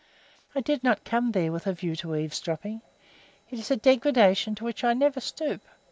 I did not come there with a view to eavesdropping. It is a degradation to which I never stoop.